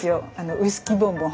ウイスキーボンボン。